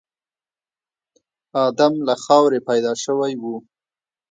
ادم له خاورې پيدا شوی و.